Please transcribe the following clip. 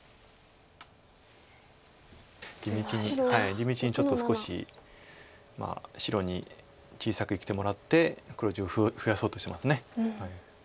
地道にちょっと少し白に小さく生きてもらって黒地を増やそうとしてます。